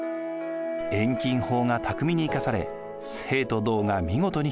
遠近法が巧みに生かされ静と動が見事に表現されています。